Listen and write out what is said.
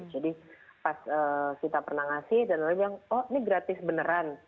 jadi pas kita pernah ngasih dan orang bilang oh ini gratis beneran